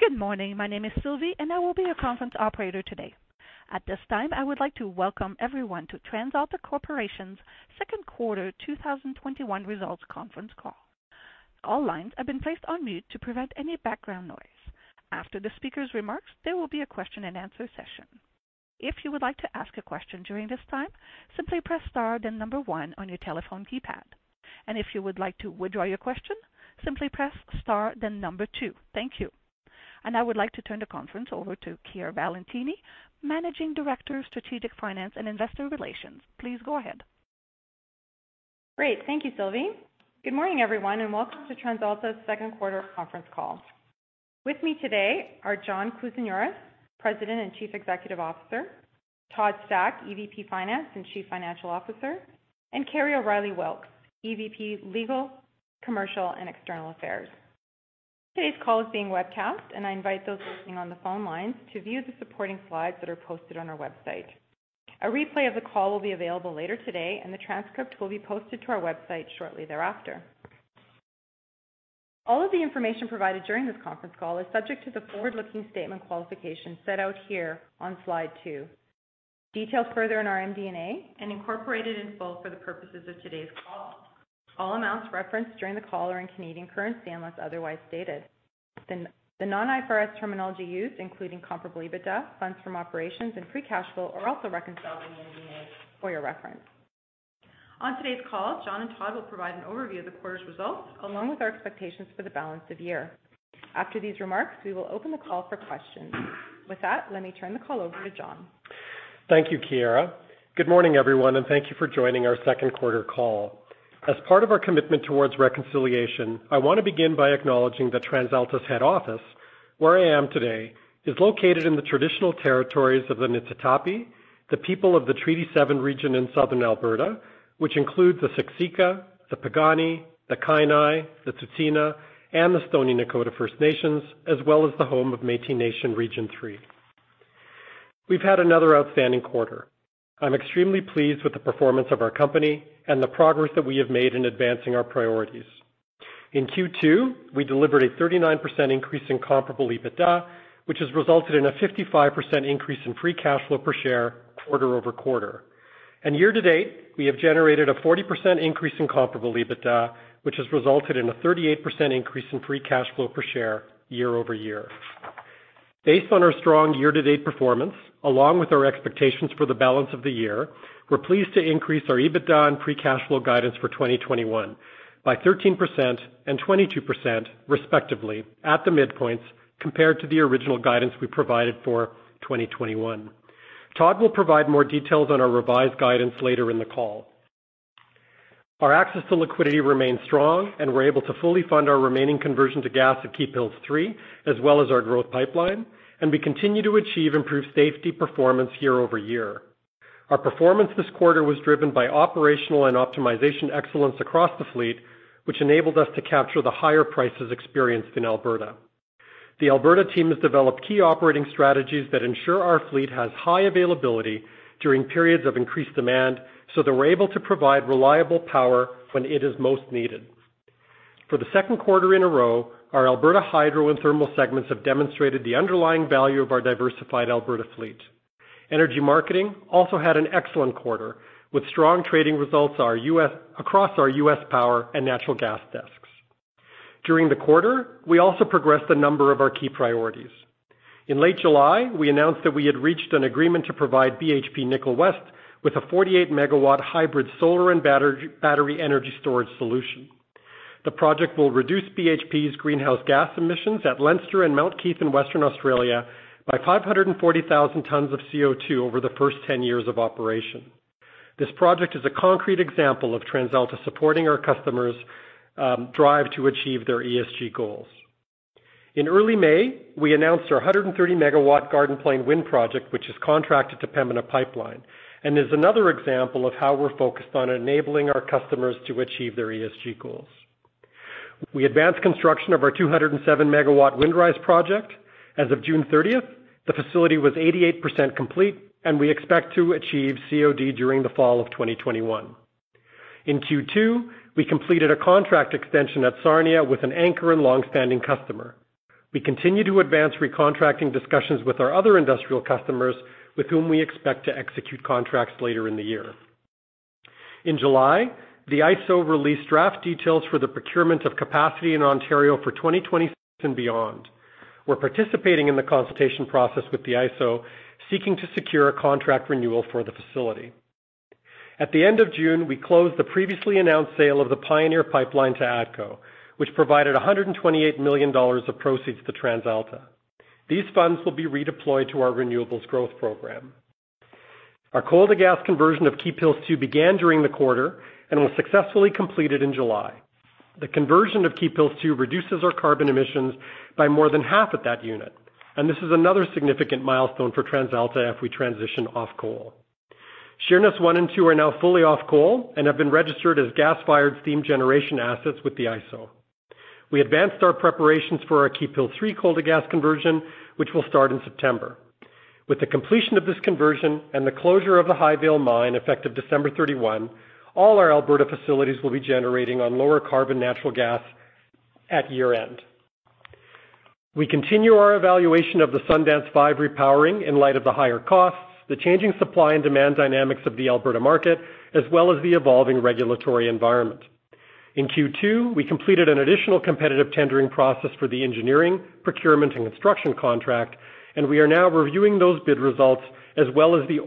Good morning. My name is Sylvie and I will be your conference operator today. At this time, I would like to welcome everyone to TransAlta Corporation's Q2 2021 Results Conference Call. All lines have been placed on mute to prevent any background noise. After the speaker's remarks, there will be a question-and-answer session. If you would like to ask a question during this time, simply press *1 on your telephone keypad. If you would like to withdraw your question, simply press *2. Thank you. I would like to turn the conference over to Chiara Valentini, Managing Director of Strategic Finance and Investor Relations. Please go ahead. Great. Thank you, Sylvie. Good morning, everyone, and welcome to TransAlta's Q2 Conference Call. With me today are John Kousinioris, President and Chief Executive Officer, Todd Stack, EVP Finance and Chief Financial Officer, and Kerry O'Reilly Wilks, EVP Legal, Commercial, and External Affairs. Today's call is being webcast, and I invite those listening on the phone lines to view the supporting slides that are posted on our website. A replay of the call will be available later today, and the transcript will be posted to our website shortly thereafter. All of the information provided during this conference call is subject to the forward-looking statement qualification set out here on slide 2, detailed further in our MD&A, and incorporated in full for the purposes of today's call. All amounts referenced during the call are in Canadian currency, unless otherwise stated. The non-IFRS terminology used, including comparable EBITDA, funds from operations, and free cash flow, are also reconciled in the MD&A for your reference. On today's call, John and Todd will provide an overview of the quarter's results, along with our expectations for the balance of the year. After these remarks, we will open the call for questions. With that, let me turn the call over to John. Thank you, Chiara. Good morning, everyone, and thank you for joining our Q2 call. As part of our commitment towards reconciliation, I want to begin by acknowledging that TransAlta's head office, where I am today, is located in the traditional territories of the Niitsitapi, the people of the Treaty 7 region in Southern Alberta, which includes the Siksika, the Piikani, the Kainai, the Tsuut'ina, and the Stoney Nakoda First Nation, as well as the home of Métis Nation of Alberta Region 3. We've had another outstanding quarter. I'm extremely pleased with the performance of our company and the progress that we have made in advancing our priorities. In Q2, we delivered a 39% increase in comparable EBITDA, which has resulted in a 55% increase in free cash flow per share quarter-over-quarter. Year to date, we have generated a 40% increase in comparable EBITDA, which has resulted in a 38% increase in free cash flow per share year-over-year. Based on our strong year-to-date performance, along with our expectations for the balance of the year, we're pleased to increase our EBITDA and free cash flow guidance for 2021 by 13% and 22% respectively at the midpoints compared to the original guidance we provided for 2021. Todd will provide more details on our revised guidance later in the call. Our access to liquidity remains strong, and we're able to fully fund our remaining conversion to gas at Keephills 3, as well as our growth pipeline, and we continue to achieve improved safety performance year-over-year. Our performance this quarter was driven by operational and optimization excellence across the fleet, which enabled us to capture the higher prices experienced in Alberta. The Alberta team has developed key operating strategies that ensure our fleet has high availability during periods of increased demand, so that we're able to provide reliable power when it is most needed. For the Q2 in a row, our Alberta hydro and thermal segments have demonstrated the underlying value of our diversified Alberta fleet. Energy marketing also had an excellent quarter, with strong trading results across our U.S. power and natural gas desks. During the quarter, we also progressed a number of our key priorities. In late July, we announced that we had reached an agreement to provide BHP Nickel West with a 48 MW hybrid solar and battery energy storage solution. The project will reduce BHP's greenhouse gas emissions at Leinster and Mount Keith in Western Australia by 540 kt of CO2 over the first 10 years of operation. This project is a concrete example of TransAlta supporting our customers drive to achieve their ESG goals. In early May, we announced our 130 MW Garden Plain wind project, which is contracted to Pembina Pipeline, and is another example of how we're focused on enabling our customers to achieve their ESG goals. We advanced construction of our 207 MW Windrise project. As of June 30th, the facility was 88% complete, and we expect to achieve COD during the fall of 2021. In Q2, we completed a contract extension at Sarnia with an anchor and longstanding customer. We continue to advance recontracting discussions with our other industrial customers with whom we expect to execute contracts later in the year. In July, the IESO released draft details for the procurement of capacity in Ontario for 2026 and beyond. We're participating in the consultation process with the IESO, seeking to secure a contract renewal for the facility. At the end of June, we closed the previously announced sale of the Pioneer Pipeline to ATCO, which provided 128 million dollars of proceeds to TransAlta. These funds will be redeployed to our renewables growth program. Our coal-to-gas conversion of Keephills 2 began during the quarter and was successfully completed in July. The conversion of Keephills 2 reduces our carbon emissions by more than half at that unit. This is another significant milestone for TransAlta if we transition off coal. Sheerness 1 and 2 are now fully off coal and have been registered as gas-fired steam generation assets with the IESO. We advanced our preparations for our Keephills 3 coal-to-gas conversion, which will start in September. With the completion of this conversion and the closure of the Highvale Mine, effective December 31, all our Alberta facilities will be generating on lower carbon natural gas at year-end. We continue our evaluation of the Sundance 5 repowering in light of the higher costs, the changing supply and demand dynamics of the Alberta market, as well as the evolving regulatory environment. In Q2, we completed an additional competitive tendering process for the engineering, procurement, and construction contract, and we are now reviewing those bid results, as well as the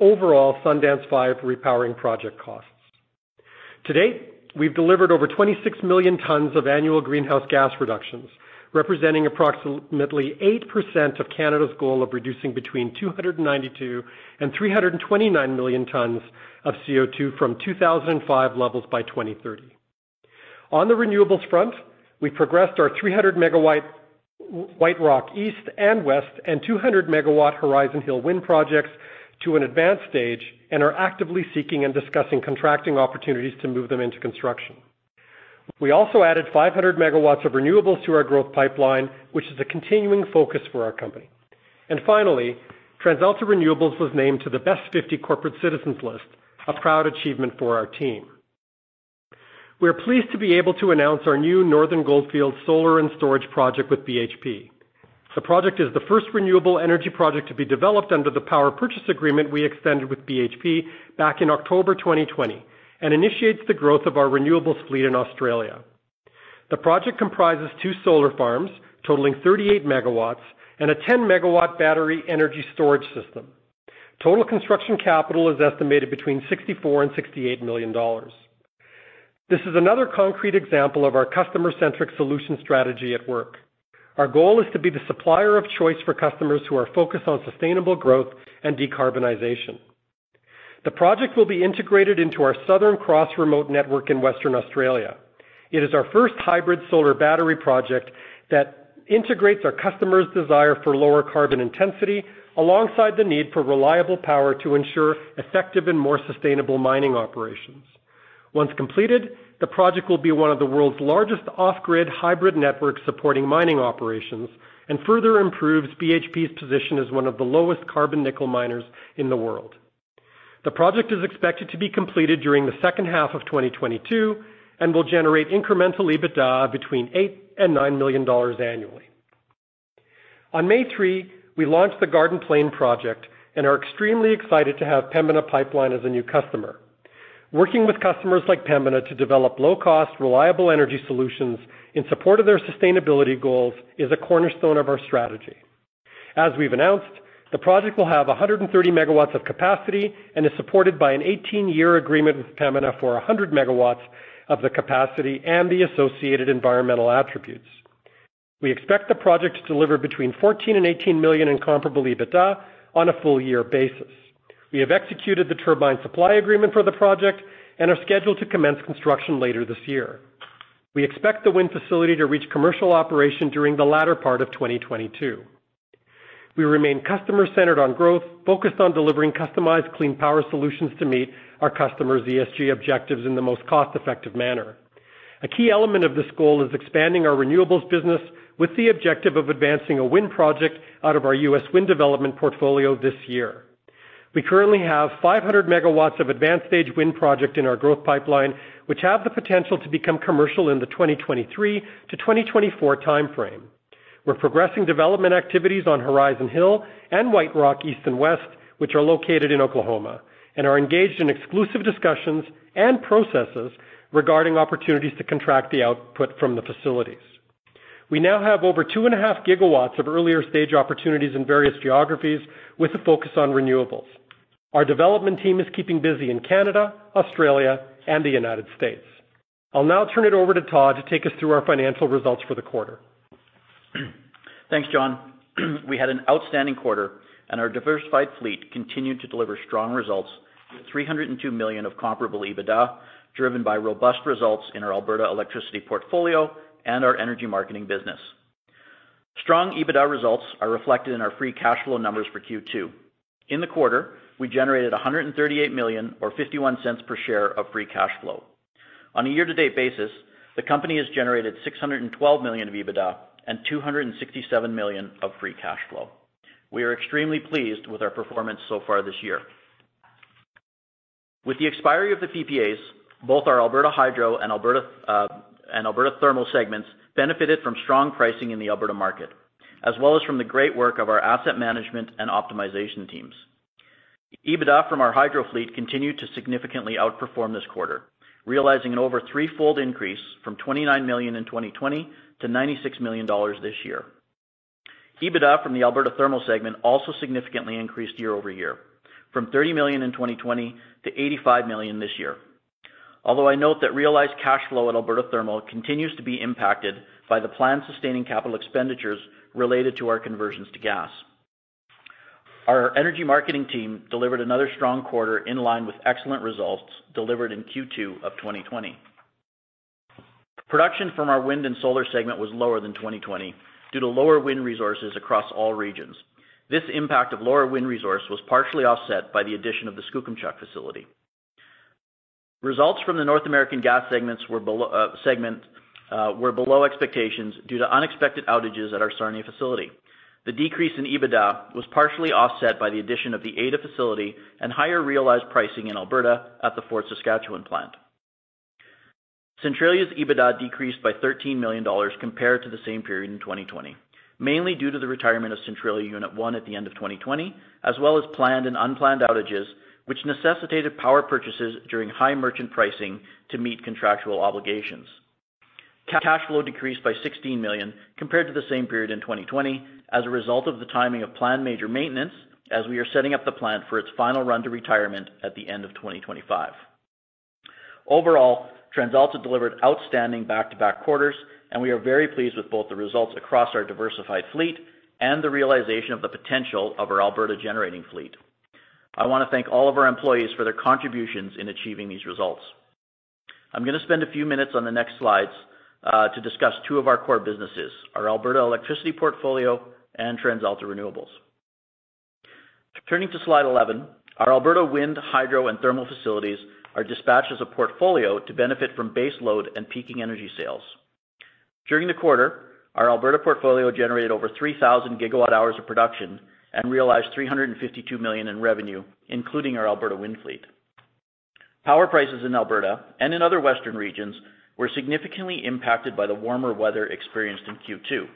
overall Sundance 5 Repowering Project costs. To date, we've delivered over 26 Mt of annual greenhouse gas reductions, representing approximately 8% of Canada's goal of reducing between 292 Mt-329 Mt of CO2 from 2005 levels by 2030. On the renewables front, we progressed our 300 MW White Rock East and West and 200 MW Horizon Hill wind projects to an advanced stage and are actively seeking and discussing contracting opportunities to move them into construction. We also added 500 MW of renewables to our growth pipeline, which is a continuing focus for our company. Finally, TransAlta Renewables was named to the Best 50 Corporate Citizens list, a proud achievement for our team. We are pleased to be able to announce our new Northern Goldfields solar and storage project with BHP. The project is the first renewable energy project to be developed under the power purchase agreement we extended with BHP back in October 2020 and initiates the growth of our renewables fleet in Australia. The project comprises two solar farms totaling 38 MW and a 10 MW battery energy storage system. Total construction capital is estimated between 64 million-68 million dollars. This is another concrete example of our customer-centric solution strategy at work. Our goal is to be the supplier of choice for customers who are focused on sustainable growth and decarbonization. The project will be integrated into our Southern Cross remote network in Western Australia. It is our first hybrid solar battery project that integrates our customer's desire for lower carbon intensity alongside the need for reliable power to ensure effective and more sustainable mining operations. Once completed, the project will be one of the world's largest off-grid hybrid networks supporting mining operations and further improves BHP's position as one of the lowest carbon nickel miners in the world. The project is expected to be completed during the second half of 2022 and will generate incremental EBITDA between 8 million-9 million dollars annually. On May 3, we launched the Garden Plain project and are extremely excited to have Pembina Pipeline as a new customer. Working with customers like Pembina to develop low-cost, reliable energy solutions in support of their sustainability goals is a cornerstone of our strategy. As we've announced, the project will have 130 MW of capacity and is supported by an 18-year agreement with Pembina for 100 MW of the capacity and the associated environmental attributes. We expect the project to deliver between 14 million and 18 million in comparable EBITDA on a full-year basis. We have executed the turbine supply agreement for the project and are scheduled to commence construction later this year. We expect the wind facility to reach commercial operation during the latter part of 2022. We remain customer-centered on growth, focused on delivering customized clean power solutions to meet our customers' ESG objectives in the most cost-effective manner. A key element of this goal is expanding our renewables business with the objective of advancing a wind project out of our US wind development portfolio this year. We currently have 500 MW of advanced-stage wind project in our growth pipeline, which have the potential to become commercial in the 2023-2024 timeframe. We're progressing development activities on Horizon Hill and White Rock East and West, which are located in Oklahoma, and are engaged in exclusive discussions and processes regarding opportunities to contract the output from the facilities. We now have over 2.5 GW of earlier-stage opportunities in various geographies with a focus on renewables. Our development team is keeping busy in Canada, Australia, and the United States. I'll now turn it over to Todd to take us through our financial results for the quarter. Thanks, John. We had an outstanding quarter, and our diversified fleet continued to deliver strong results, with 302 million of comparable EBITDA, driven by robust results in our Alberta electricity portfolio and our energy marketing business. Strong EBITDA results are reflected in our free cash flow numbers for Q2. In the quarter, we generated 138 million or 0.51 per share of free cash flow. On a year-to-date basis, the company has generated 612 million of EBITDA and 267 million of free cash flow. We are extremely pleased with our performance so far this year. With the expiry of the PPAs, both our Alberta Hydro and Alberta Thermal segments benefited from strong pricing in the Alberta market, as well as from the great work of our asset management and optimization teams. EBITDA from our Hydro fleet continued to significantly outperform this quarter, realizing an over threefold increase from 29 million in 2020 to 96 million dollars this year. EBITDA from the Alberta Thermal segment also significantly increased year-over-year, from 30 million in 2020 to 85 million this year. I note that realized cash flow at Alberta Thermal continues to be impacted by the planned sustaining capital expenditures related to our conversions to gas. Our energy marketing team delivered another strong quarter in line with excellent results delivered in Q2 2020. Production from our wind and solar segment was lower than 2020 due to lower wind resources across all regions. This impact of lower wind resource was partially offset by the addition of the Skookumchuck facility. Results from the North American Gas segment were below expectations due to unexpected outages at our Sarnia facility. The decrease in EBITDA was partially offset by the addition of the Ada facility and higher realized pricing in Alberta at the Fort Saskatchewan plant. Centralia's EBITDA decreased by 13 million dollars compared to the same period in 2020, mainly due to the retirement of Centralia Unit 1 at the end of 2020, as well as planned and unplanned outages, which necessitated power purchases during high merchant pricing to meet contractual obligations. Cash flow decreased by 16 million compared to the same period in 2020 as a result of the timing of planned major maintenance, as we are setting up the plant for its final run to retirement at the end of 2025. Overall, TransAlta delivered outstanding back-to-back quarters, and we are very pleased with both the results across our diversified fleet and the realization of the potential of our Alberta generating fleet. I want to thank all of our employees for their contributions in achieving these results. I'm going to spend a few minutes on the next slides to discuss two of our core businesses, our Alberta electricity portfolio and TransAlta Renewables. Turning to slide 11, our Alberta wind, hydro, and thermal facilities are dispatched as a portfolio to benefit from base load and peaking energy sales. During the quarter, our Alberta portfolio generated over 3,000 GWh of production and realized 352 million in revenue, including our Alberta wind fleet. Power prices in Alberta and in other western regions were significantly impacted by the warmer weather experienced in Q2.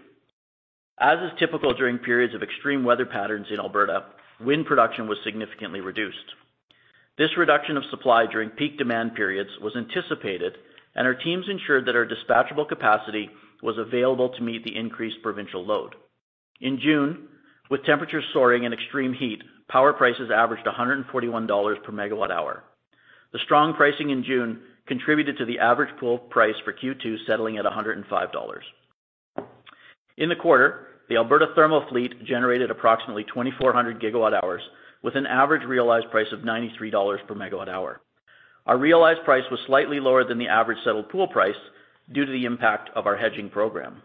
As is typical during periods of extreme weather patterns in Alberta, wind production was significantly reduced. This reduction of supply during peak demand periods was anticipated, and our teams ensured that our dispatchable capacity was available to meet the increased provincial load. In June, with temperatures soaring and extreme heat, power prices averaged 141 dollars per MWh. The strong pricing in June contributed to the average pool price for Q2 settling at 105 dollars. In the quarter, the Alberta thermal fleet generated approximately 2,400 GWh with an average realized price of 93 dollars per MWh. Our realized price was slightly lower than the average settled pool price due to the impact of our hedging program.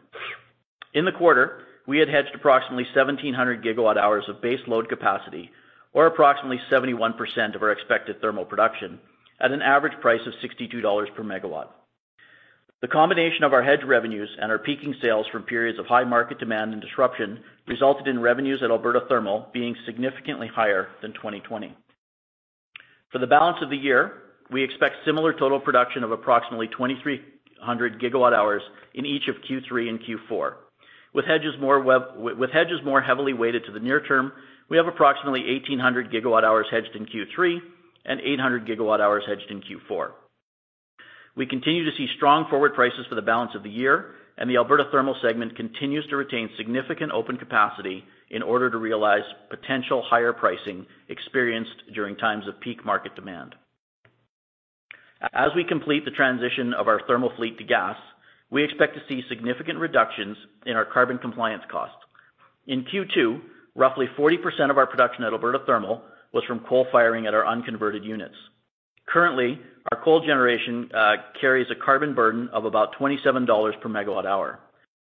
In the quarter, we had hedged approximately 1,700 GWh of base load capacity or approximately 71% of our expected thermal production at an average price of 62 dollars per MW. The combination of our hedged revenues and our peaking sales from periods of high market demand and disruption resulted in revenues at Alberta thermal being significantly higher than 2020. For the balance of the year, we expect similar total production of approximately 2,300 GWh in each of Q3 and Q4. With hedges more heavily weighted to the near term, we have approximately 1,800 GWh hedged in Q3 and 800 GWh hedged in Q4. We continue to see strong forward prices for the balance of the year, and the Alberta thermal segment continues to retain significant open capacity in order to realize potential higher pricing experienced during times of peak market demand. As we complete the transition of our thermal fleet to gas, we expect to see significant reductions in our carbon compliance cost. In Q2, roughly 40% of our production at Alberta thermal was from coal-firing at our unconverted units. Currently, our coal generation carries a carbon burden of about 27 dollars per MWh.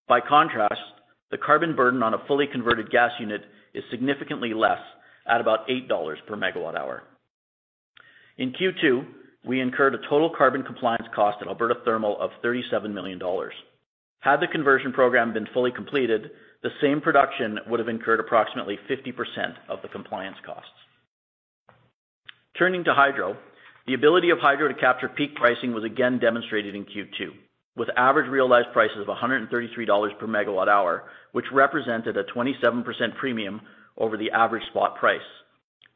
By contrast, the carbon burden on a fully converted gas unit is significantly less at about 8 dollars per MWh. In Q2, we incurred a total carbon compliance cost at Alberta thermal of 37 million dollars. Had the conversion program been fully completed, the same production would have incurred approximately 50% of the compliance costs. Turning to hydro, the ability of hydro to capture peak pricing was again demonstrated in Q2 with average realized prices of 133 dollars per MWh, which represented a 27% premium over the average spot price.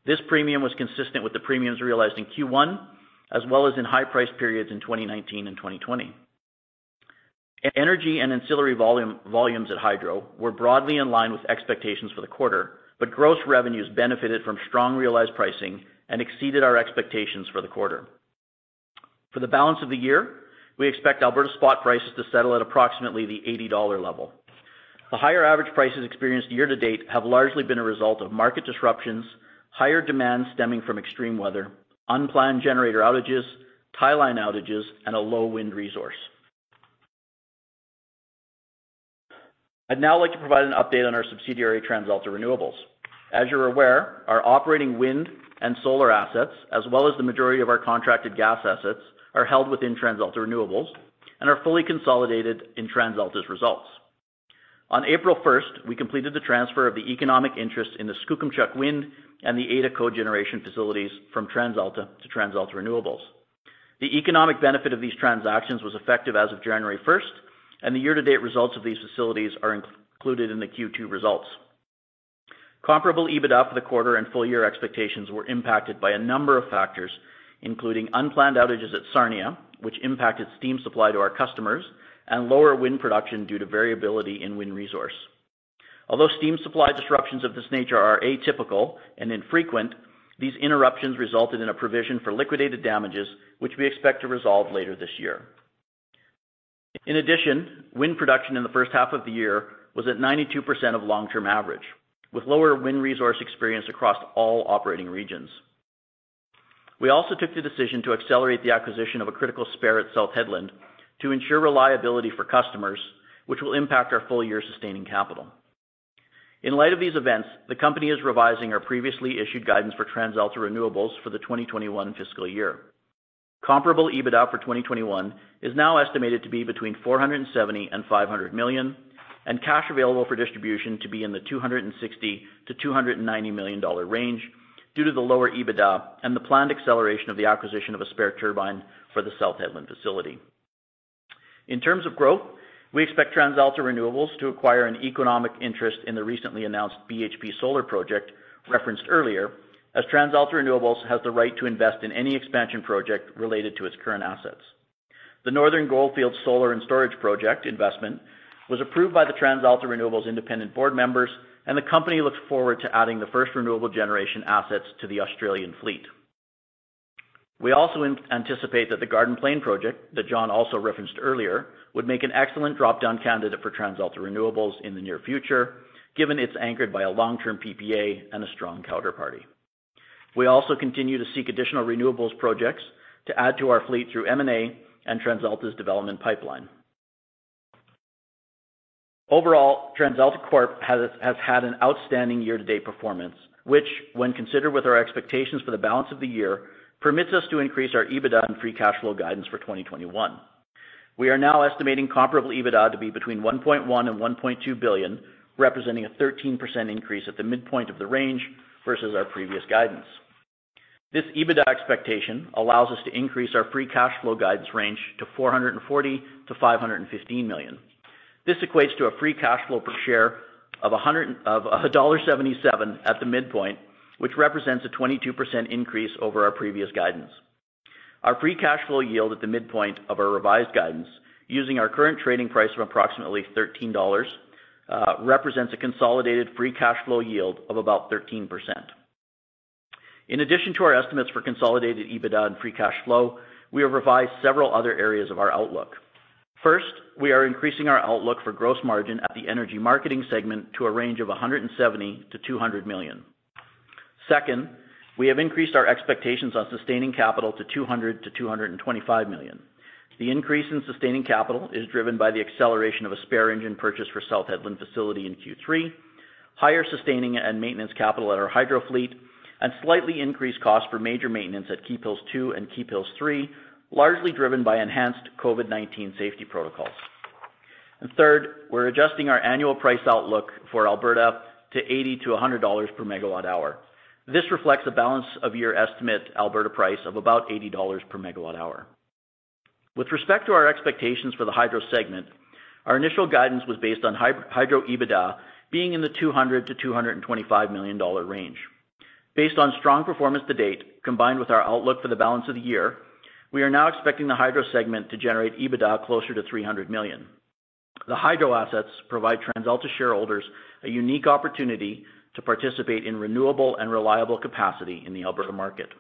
This premium was consistent with the premiums realized in Q1 as well as in high-price periods in 2019 and 2020. Energy and ancillary volumes at hydro were broadly in line with expectations for the quarter, gross revenues benefited from strong realized pricing and exceeded our expectations for the quarter. For the balance of the year, we expect Alberta spot prices to settle at approximately the 80 dollar level. The higher average prices experienced year to date have largely been a result of market disruptions, higher demand stemming from extreme weather, unplanned generator outages, tie line outages, and a low wind resource. I'd now like to provide an update on our subsidiary, TransAlta Renewables. As you're aware, our operating wind and solar assets, as well as the majority of our contracted gas assets, are held within TransAlta Renewables and are fully consolidated in TransAlta's results. On April 1st, we completed the transfer of the economic interest in the Skookumchuck Wind and the Ada Cogeneration facilities from TransAlta to TransAlta Renewables. The economic benefit of these transactions was effective as of January 1st, and the year-to-date results of these facilities are included in the Q2 results. Comparable EBITDA for the quarter and full-year expectations were impacted by a number of factors, including unplanned outages at Sarnia, which impacted steam supply to our customers and lower wind production due to variability in wind resource. Although steam supply disruptions of this nature are atypical and infrequent, these interruptions resulted in a provision for liquidated damages which we expect to resolve later this year. In addition, wind production in the first half of the year was at 92% of long-term average, with lower wind resource experience across all operating regions. We also took the decision to accelerate the acquisition of a critical spare at South Hedland to ensure reliability for customers, which will impact our full-year sustaining capital. In light of these events, the company is revising our previously issued guidance for TransAlta Renewables for the 2021 fiscal year. Comparable EBITDA for 2021 is now estimated to be between 470 million and 500 million, and cash available for distribution to be in the 260 million to 290 million dollar range due to the lower EBITDA and the planned acceleration of the acquisition of a spare turbine for the South Hedland facility. In terms of growth, we expect TransAlta Renewables to acquire an economic interest in the recently announced BHP solar project referenced earlier, as TransAlta Renewables has the right to invest in any expansion project related to its current assets. The Northern Goldfields solar and storage project investment was approved by the TransAlta Renewables independent board members, and the company looks forward to adding the first renewable generation assets to the Australian fleet. We also anticipate that the Garden Plain project, that John also referenced earlier, would make an excellent drop-down candidate for TransAlta Renewables in the near future, given it's anchored by a long-term PPA and a strong counterparty. We also continue to seek additional renewables projects to add to our fleet through M&A and TransAlta's development pipeline. Overall, TransAlta Corp has had an outstanding year-to-date performance, which, when considered with our expectations for the balance of the year, permits us to increase our EBITDA and free cash flow guidance for 2021. We are now estimating comparable EBITDA to be between 1.1 billion and 1.2 billion, representing a 13% increase at the midpoint of the range versus our previous guidance. This EBITDA expectation allows us to increase our free cash flow guidance range to 440 million-515 million. This equates to a free cash flow per share of dollar 1.77 at the midpoint, which represents a 22% increase over our previous guidance. Our free cash flow yield at the midpoint of our revised guidance, using our current trading price of approximately 13 dollars, represents a consolidated free cash flow yield of about 13%. In addition to our estimates for consolidated EBITDA and free cash flow, we have revised several other areas of our outlook. First, we are increasing our outlook for gross margin at the energy marketing segment to a range of 170 million-200 million. Second, we have increased our expectations on sustaining capital to 200 million-225 million. The increase in sustaining capital is driven by the acceleration of a spare engine purchase for South Hedland facility in Q3, higher sustaining and maintenance capital at our hydro fleet, and slightly increased cost for major maintenance at Keephills 2 and Keephills 3, largely driven by enhanced COVID-19 safety protocols. Third, we're adjusting our annual price outlook for Alberta to 80-100 dollars per MWh. This reflects a balance of year estimate Alberta price of about 80 dollars per MWh. With respect to our expectations for the hydro segment, our initial guidance was based on hydro EBITDA being in the 200 million-225 million dollar range. Based on strong performance to date, combined with our outlook for the balance of the year, we are now expecting the hydro segment to generate EBITDA closer to 300 million. The hydro assets provide TransAlta shareholders a unique opportunity to participate in renewable and reliable capacity in the Alberta market.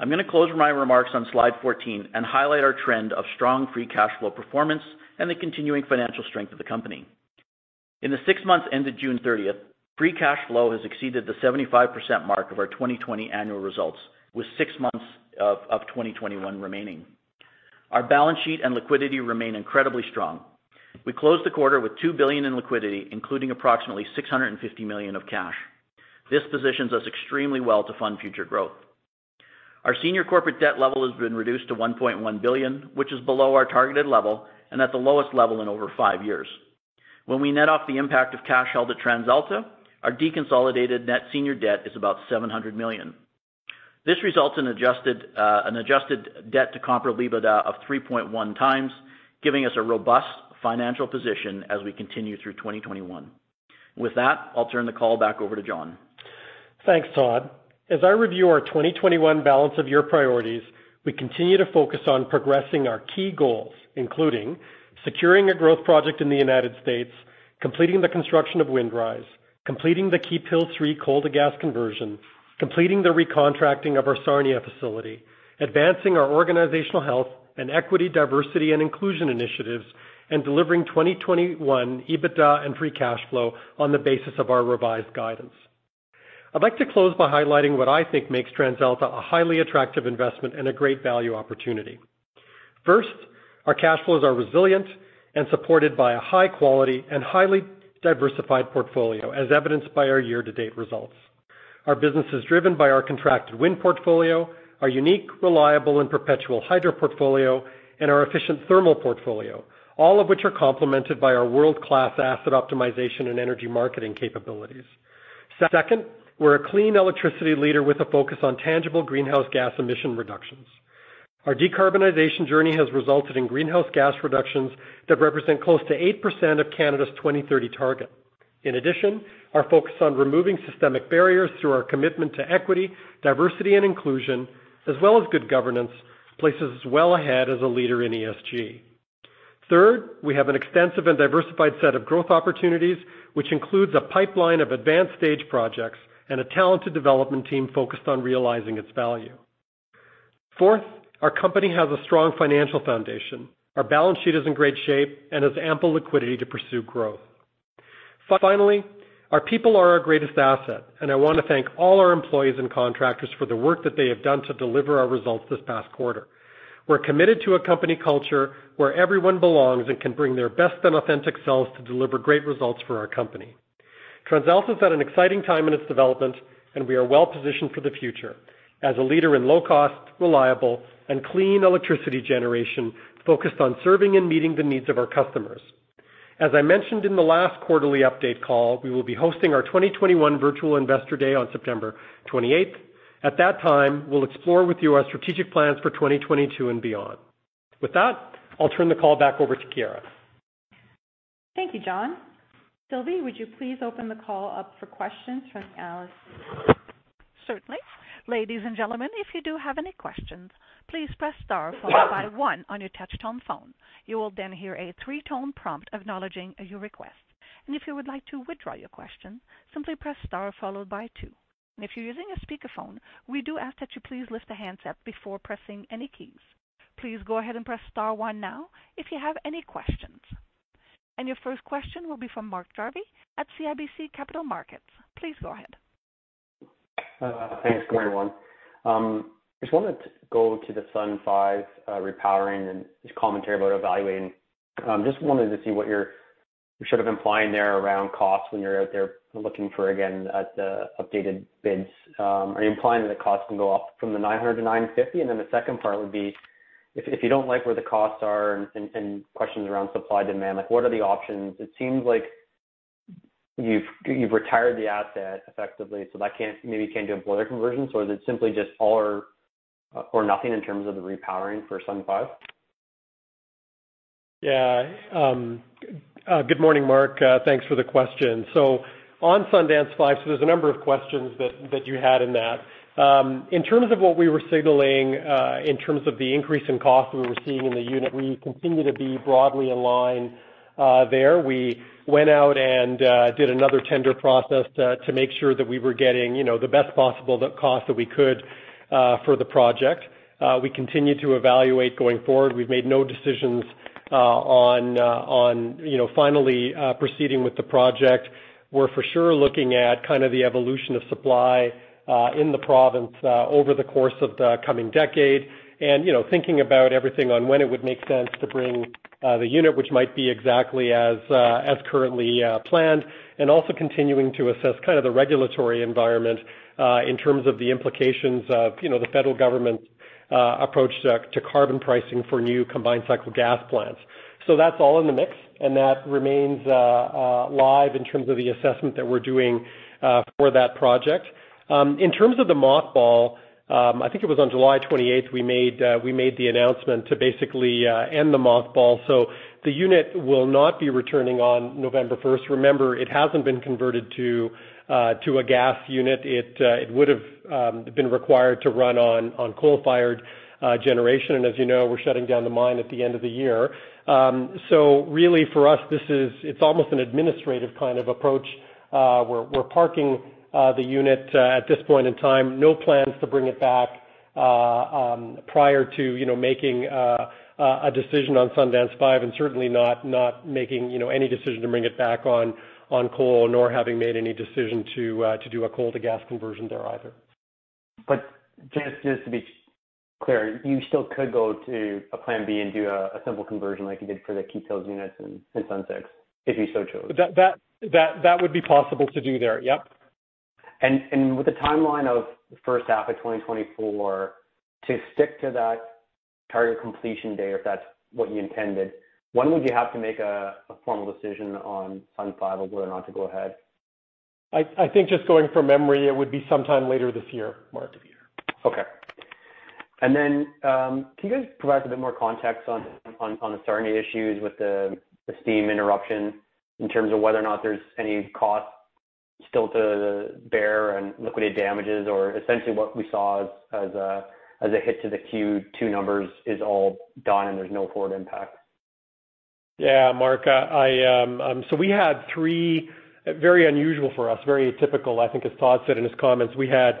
I'm going to close my remarks on slide 14 and highlight our trend of strong free cash flow performance and the continuing financial strength of the company. In the six months ended June 30th, free cash flow has exceeded the 75% mark of our 2020 annual results, with six months of 2021 remaining. Our balance sheet and liquidity remain incredibly strong. We closed the quarter with 2 billion in liquidity, including approximately 650 million of cash. This positions us extremely well to fund future growth. Our senior corporate debt level has been reduced to 1.1 billion, which is below our targeted level and at the lowest level in over five years. When we net off the impact of cash held at TransAlta, our deconsolidated net senior debt is about 700 million. This results in an adjusted debt to comparable EBITDA of 3.1x, giving us a robust financial position as we continue through 2021. With that, I'll turn the call back over to John. Thanks, Todd. As I review our 2021 balance of year priorities, we continue to focus on progressing our key goals, including securing a growth project in the United States, completing the construction of Windrise, completing the Keephills 3 coal to gas conversion, completing the recontracting of our Sarnia facility, advancing our organizational health and equity, diversity, and inclusion initiatives, and delivering 2021 EBITDA and free cash flow on the basis of our revised guidance. I'd like to close by highlighting what I think makes TransAlta a highly attractive investment and a great value opportunity. First, our cash flows are resilient and supported by a high quality and highly diversified portfolio, as evidenced by our year-to-date results. Our business is driven by our contracted wind portfolio, our unique, reliable, and perpetual hydro portfolio, and our efficient thermal portfolio, all of which are complemented by our world-class asset optimization and energy marketing capabilities. Second, we're a clean electricity leader with a focus on tangible greenhouse gas emission reductions. Our decarbonization journey has resulted in greenhouse gas reductions that represent close to 8% of Canada's 2030 target. In addition, our focus on removing systemic barriers through our commitment to equity, diversity, and inclusion, as well as good governance, places us well ahead as a leader in ESG. Third, we have an extensive and diversified set of growth opportunities, which includes a pipeline of advanced stage projects and a talented development team focused on realizing its value. Fourth, our company has a strong financial foundation. Our balance sheet is in great shape and has ample liquidity to pursue growth. Finally, our people are our greatest asset, and I want to thank all our employees and contractors for the work that they have done to deliver our results this past quarter. We're committed to a company culture where everyone belongs and can bring their best and authentic selves to deliver great results for our company. TransAlta's at an exciting time in its development, and we are well-positioned for the future as a leader in low-cost, reliable, and clean electricity generation focused on serving and meeting the needs of our customers. As I mentioned in the last quarterly update call, we will be hosting our 2021 virtual Investor Day on September 28th. At that time, we'll explore with you our strategic plans for 2022 and beyond. With that, I'll turn the call back over to Chiara. Thank you, John. Sylvie, would you please open the call up for questions from the analysts? Your first question will be from Mark Jarvi at CIBC Capital Markets. Please go ahead. Thanks. Good morning. Just wanted to go to the Sundance 5 repowering and just commentary about evaluating. Just wanted to see what you're sort of implying there around costs when you're out there looking for, again, the updated bids. Are you implying that the cost can go up from the 900-950? The second part would be, if you don't like where the costs are and questions around supply-demand, like, what are the options? It seems like you've retired the asset effectively, so that maybe can't do a boiler conversion. Is it simply just all or nothing in terms of the repowering for Sundance 5? Yeah. Good morning, Mark. Thanks for the question. On Sundance 5, there's a number of questions that you had in that. In terms of what we were signaling in terms of the increase in cost that we were seeing in the unit, we continue to be broadly aligned there. We went out and did another tender process to make sure that we were getting the best possible cost that we could for the project. We continue to evaluate going forward. We've made no decisions on finally proceeding with the project. We're for sure looking at kind of the evolution of supply in the province over the course of the coming decade, and thinking about everything on when it would make sense to bring the unit, which might be exactly as currently planned, and also continuing to assess kind of the regulatory environment in terms of the implications of the federal government's approach to carbon pricing for new combined-cycle gas plants. That's all in the mix, and that remains live in terms of the assessment that we're doing for that project. In terms of the mothball, I think it was on July 28th, we made the announcement to basically end the mothball. The unit will not be returning on November 1st. Remember, it hasn't been converted to a gas unit. It would've been required to run on coal-fired generation. As you know, we're shutting down the mine at the end of the year. Really for us, it's almost an administrative kind of approach. We're parking the unit at this point in time. No plans to bring it back prior to making a decision on Sundance 5, and certainly not making any decision to bring it back on coal, nor having made any decision to do a coal-to-gas conversion there either. Just to be clear, you still could go to a plan B and do a simple conversion like you did for the Keephills units and Sundance 6, if you so chose? That would be possible to do there. Yep. With the timeline of the first half of 2024, to stick to that target completion date, if that's what you intended, when would you have to make a formal decision on Sundance 5 of whether or not to go ahead? I think just going from memory, it would be sometime later this year, Mark. Okay. Can you guys provide a bit more context on the Sarnia issues with the steam interruption in terms of whether or not there's any cost still to bear and liquidated damages? Essentially what we saw as a hit to the Q2 numbers is all done, and there's no forward impact? Yeah. Mark, we had three very unusual for us, very atypical, I think as Todd said in his comments. We had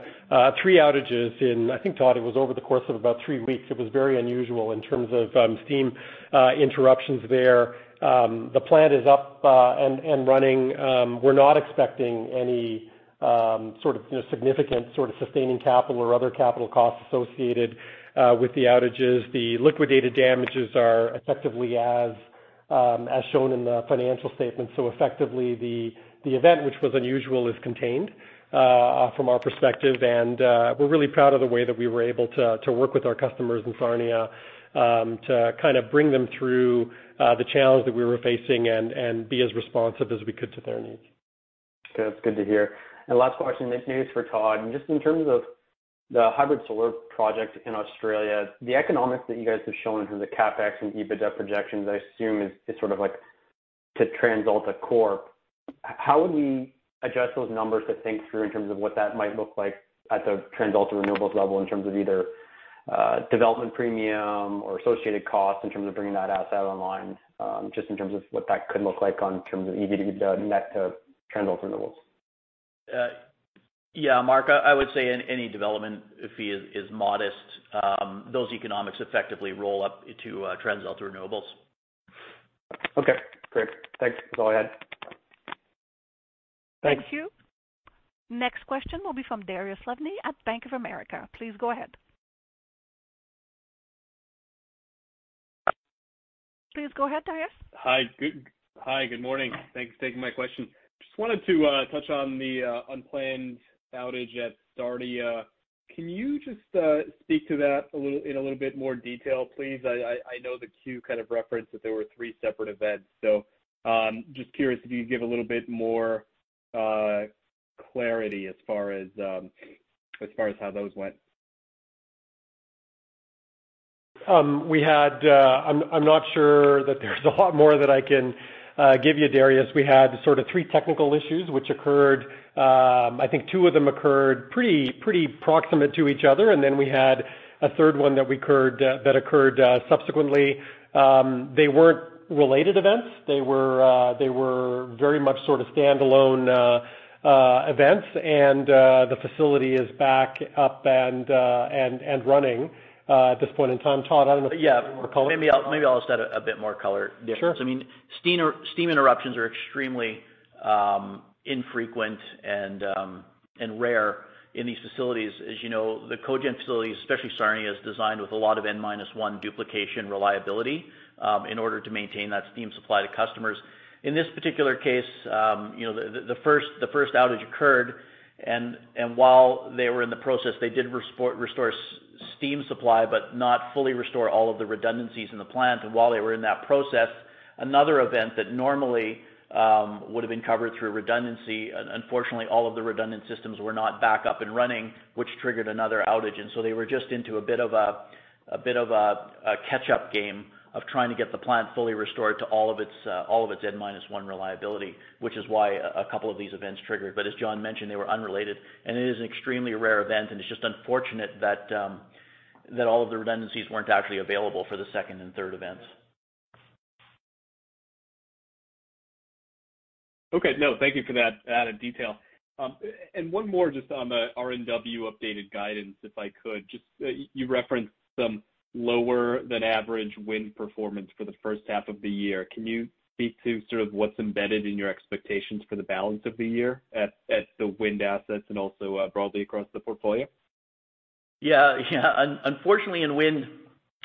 three outages in, I think, Todd, it was over the course of about three weeks. It was very unusual in terms of steam interruptions there. The plant is up and running. We're not expecting any sort of significant sort of sustaining capital or other capital costs associated with the outages. The liquidated damages are effectively as shown in the financial statements. Effectively, the event, which was unusual, is contained from our perspective. We're really proud of the way that we were able to work with our customers in Sarnia to kind of bring them through the challenge that we were facing and be as responsive as we could to their needs. Okay. That's good to hear. Last question, this is for Todd. In terms of the hybrid solar project in Australia, the economics that you guys have shown in terms of CapEx and EBITDA projections, I assume is sort of like to TransAlta Corp. How would we adjust those numbers to think through in terms of what that might look like at the TransAlta Renewables level in terms of either development premium or associated costs in terms of bringing that asset online? In terms of what that could look like in terms of EBITDA net to TransAlta Renewables? Yeah, Mark, I would say any development fee is modest. Those economics effectively roll up into TransAlta Renewables. Okay, great. Thanks. Thank you. Next question will be from Dariusz Lozny at Bank of America. Please go ahead. Please go ahead, Dariusz. Hi. Good morning. Thanks for taking my question. Just wanted to touch on the unplanned outage at Sarnia. Can you just speak to that in a little bit more detail, please? I know the quarter kind of referenced that there were three separate events, just curious if you could give a little bit more clarity as far as how those went. I'm not sure that there's a lot more that I can give you, Dariusz. We had sort of three technical issues which occurred. I think two of them occurred pretty proximate to each other, then we had a third one that occurred subsequently. They weren't related events. They were very much standalone events. The facility is back up and running at this point in time. Todd, I don't know if you want to- Yeah. Maybe I'll just add a bit more color, Dariusz. Sure. Steam interruptions are extremely infrequent and rare in these facilities. As you know, the cogen facilities, especially Sarnia, is designed with a lot of N-1 duplication reliability in order to maintain that steam supply to customers. In this particular case, the first outage occurred, and while they were in the process, they did restore steam supply, but not fully restore all of the redundancies in the plant. While they were in that process, another event that normally would have been covered through redundancy, unfortunately, all of the redundant systems were not back up and running, which triggered another outage. They were just into a bit of a catch-up game of trying to get the plant fully restored to all of its N-1 reliability, which is why a couple of these events triggered. As John mentioned, they were unrelated, and it is an extremely rare event, and it's just unfortunate that all of the redundancies weren't actually available for the second and third events. Okay. No, thank you for that added detail. One more just on the TransAlta Renewables updated guidance, if I could. You referenced some lower than average wind performance for the first half of the year. Can you speak to sort of what's embedded in your expectations for the balance of the year at the wind assets and also broadly across the portfolio? Yeah. Unfortunately, in wind,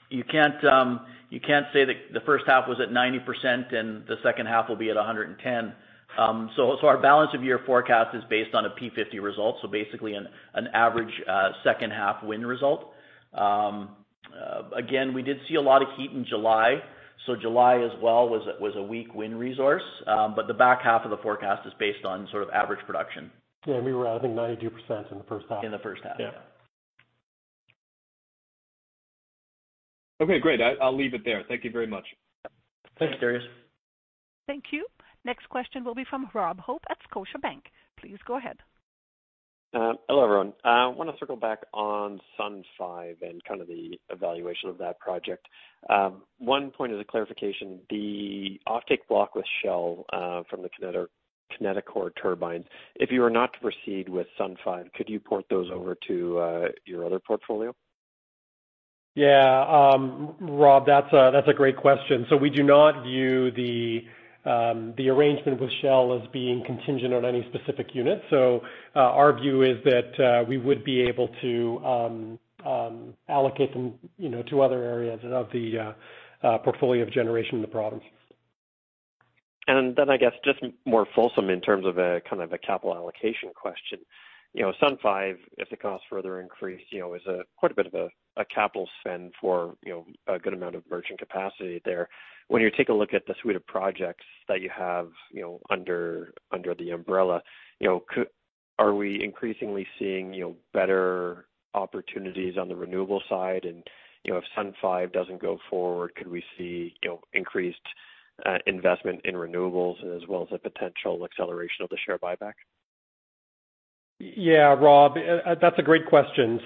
you can't say the first half was at 90% and the second half will be at 110. Our balance of year forecast is based on a P50 result. Basically, an average second half wind result. Again, we did see a lot of heat in July. July as well was a weak wind resource. The back half of the forecast is based on sort of average production. Yeah, we were at, I think, 92% in the first half. In the first half. Yeah. Okay, great. I'll leave it there. Thank you very much. Thanks, Dariusz. Thank you. Next question will be from Rob Hope at Scotiabank. Please go ahead. Hello, everyone. I want to circle back on Sundance 5 and kind of the evaluation of that project. One point as a clarification, the offtake block with Shell from the Kineticor turbines, if you are not to proceed with Sundance 5, could you port those over to your other portfolio? Yeah, Rob, that's a great question. We do not view the arrangement with Shell as being contingent on any specific unit. Our view is that we would be able to allocate them to other areas of the portfolio of generation in the province. I guess, just more fulsome in terms of a capital allocation question. Sundance 5, if the costs further increase, is quite a bit of a capital spend for a good amount of merchant capacity there. When you take a look at the suite of projects that you have under the umbrella, are we increasingly seeing better opportunities on the renewable side? If Sundance 5 doesn't go forward, could we see increased investment in renewables as well as a potential acceleration of the share buyback? Yeah. Rob, that's a great question.